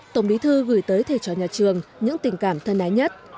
tổng bí thư gửi tới thầy trò nhà trường những tình cảm thân ái nhất